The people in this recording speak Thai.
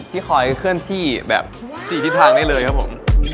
ที่คอยเคลื่อนที่แบบ๔ทิศทางได้เลยครับผม